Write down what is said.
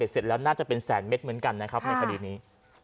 เสร็จแล้วน่าจะเป็นแสนเม็ดเหมือนกันนะครับในคดีนี้